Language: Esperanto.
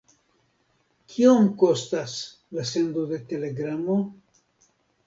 Kiom kostas la sendo de telegramo?